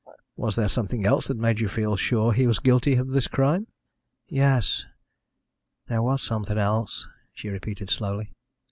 Was there something else that made you feel sure he was guilty of this crime?" "Yes, there was something else," she repeated slowly.